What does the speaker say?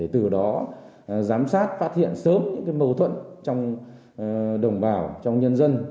từ đó giám sát phát hiện sớm những mâu thuẫn trong đồng bào trong nhân dân